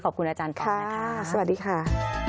ขอบคุณอาจารย์ป๊อบนะคะสวัสดีค่ะ